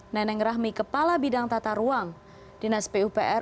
neneng rahmi kepala bidang tata ruang dinas pupr